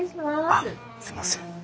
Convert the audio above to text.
あっすいません。